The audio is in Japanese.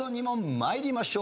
参りましょう。